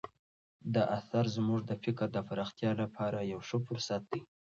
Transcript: دا اثر زموږ د فکر د پراختیا لپاره یو ښه فرصت دی.